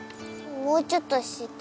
もうちょっと下。